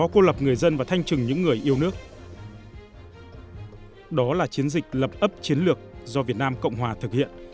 chiến dịch lập ấp chiến lược do việt nam cộng hòa thực hiện